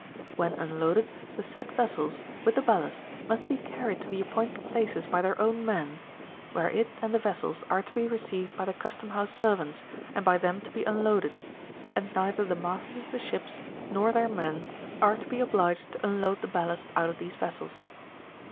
When unloaded, the said vessels, with the ballast, must be carried to the appointed E laces by their own men, where it and the vessels are to be received by the custom ouse servants, and by them to be unloaded; and neither the masters of ships, nor V their men, are to be obliged to unload the ballast out of these vessels.